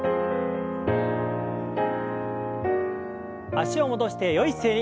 脚を戻してよい姿勢に。